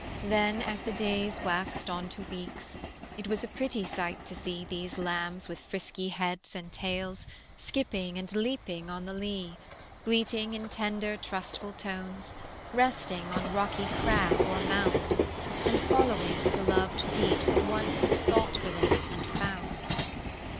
Then, as the days waxed on to weeks, It was a pretty sight to see These lambs with frisky heads and tails Skipping and leaping on the lea, Bleating in tender, trustful tones, Resting on rocky crag or mound, And following the beloved feet That once had sought for them and found.